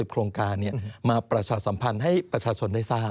โครงการมาประชาสัมพันธ์ให้ประชาชนได้ทราบ